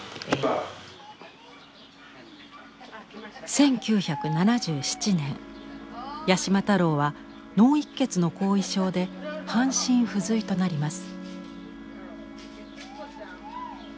１９７７年八島太郎は脳いっ血の後遺症で半身不随となります。